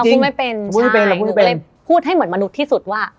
ใช่หนูก็เลยพูดให้เหมือนมนุษย์ที่สุดว่า